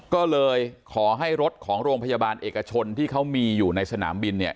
ก็เลยขอให้รถของโรงพยาบาลเอกชนที่เขามีอยู่ในสนามบินเนี่ย